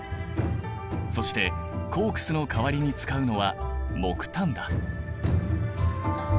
そしてコークスの代わりに使うのは木炭だ。